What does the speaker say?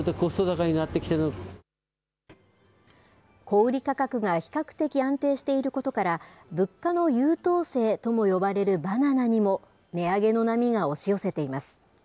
小売り価格が比較的安定していることから、物価の優等生とも呼ばれるバナナにも、値上げの波が押し寄せています。